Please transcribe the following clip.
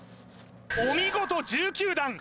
お見事１９段